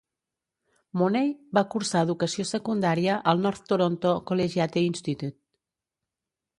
Money va cursar educació secundària al North Toronto Collegiate Institute.